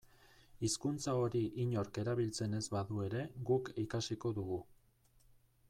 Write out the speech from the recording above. Hizkuntza hori inork erabiltzen ez badu ere guk ikasiko dugu.